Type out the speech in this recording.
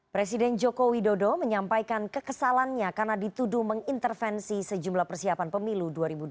presiden joko widodo menyampaikan kekesalannya karena dituduh mengintervensi sejumlah persiapan pemilu dua ribu dua puluh